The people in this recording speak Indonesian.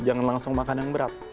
jangan langsung makan yang berat